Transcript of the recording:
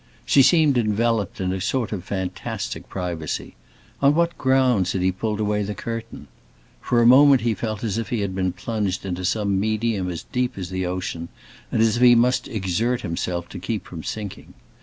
She seemed enveloped in a sort of fantastic privacy; on what grounds had he pulled away the curtain? For a moment he felt as if he had plunged into some medium as deep as the ocean, and as if he must exert himself to keep from sinking.